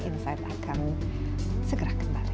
insight akan segera kembali